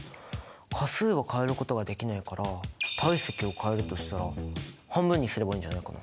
価数は変えることはできないから体積を変えるとしたら半分にすればいいんじゃないかな？